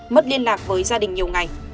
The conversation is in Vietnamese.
mất liên lạc với gia đình nhiều ngày